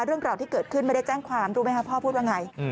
เรื่องราวที่เกิดขึ้นไม่ได้แจ้งความรู้ไหมครับพ่อพูดว่าไง